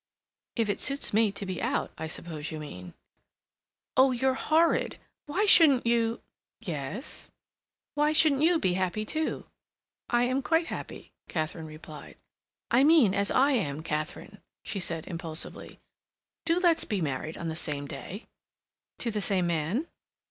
"If it suits me to be out, I suppose you mean." "Oh, you're horrid.... Why shouldn't you—?" "Yes?" "Why shouldn't you be happy too?" "I am quite happy," Katharine replied. "I mean as I am. Katharine," she said impulsively, "do let's be married on the same day." "To the same man?"